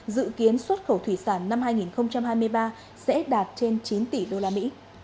dự kiến xuất khẩu thủy sản năm hai nghìn hai mươi ba sẽ đạt trên chín tỷ usd